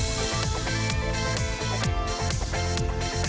เจอกันใหม่เพื่อนอาหารหน้าค่ะ